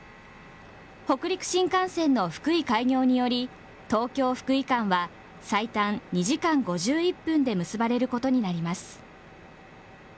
北陸新幹線の福井開業により、東京・福井間は最短２時間５１分で結ばれることになります。